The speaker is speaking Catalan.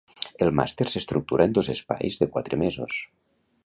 El màster s'estructura en dos espais de quatre mesos.